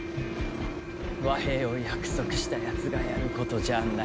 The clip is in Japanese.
和平を約束したやつがやることじゃない。